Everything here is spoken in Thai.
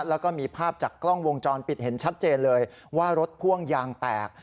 แล้วก็มีภาพจากกล้องวงจรปิดเห็นชัดเจนเลยว่ารถพ่วงยางแตก